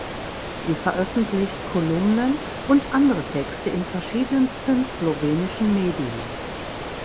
Sie veröffentlicht Kolumnen und andere Texte in verschiedensten slowenischen Medien.